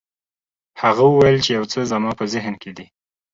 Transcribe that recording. هغه وویل چې یو څه زما په ذهن کې دي.